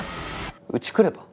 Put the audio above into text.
うち来れば？